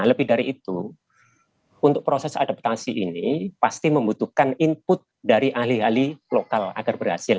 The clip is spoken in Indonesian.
lebih dari itu untuk proses adaptasi ini pasti membutuhkan input dari ahli ahli lokal agar berhasil